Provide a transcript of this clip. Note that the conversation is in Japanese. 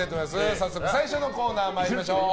早速最初のコーナー参りましょう。